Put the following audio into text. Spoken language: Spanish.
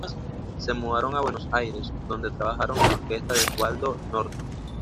Se mudaron a Buenos Aires, donde trabajaron en la orquesta de Osvaldo Norton.